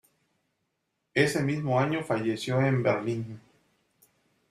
Ese mismo año falleció en Berlín.